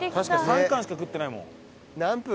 ３貫しか食ってないもん。